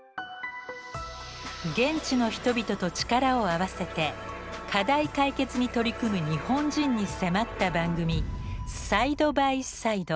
現地の人々と力を合わせて課題解決に取り組む日本人に迫った番組